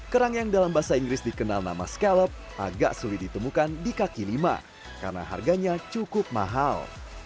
kerang yang dalam bahasa inggris dikenal nama scalop agak sulit ditemukan di kaki lima karena harganya cukup mahal